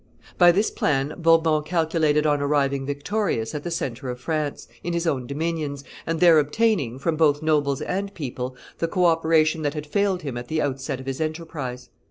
By this plan Bourbon calculated on arriving victorious at the centre of France, in his own domains, and there obtaining, from both nobles and people, the co operation that had failed him at the outset of his enterprise.